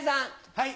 はい。